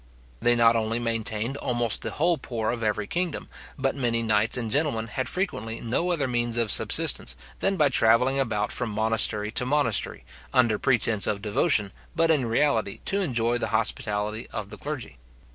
They not only maintained almost the whole poor of every kingdom, but many knights and gentlemen had frequently no other means of subsistence than by travelling about from monastery to monastery, under pretence of devotion, but in reality to enjoy the hospitality of the clergy.